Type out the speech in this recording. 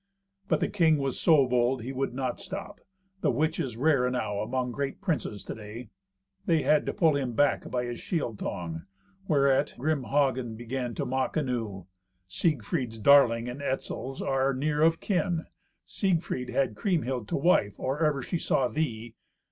But the king was so bold he would not stop; the which is rare enow among great princes to day. They had to pull him back by his shield thong; whereat grim Hagen began to mock anew. "Siegfried's darling and Etzel's are near of kin. Siegfried had Kriemhild to wife or ever she saw thee.